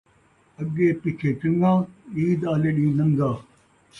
اڳے پچھے چنڳاں، عید آلے ݙینہہ ننگا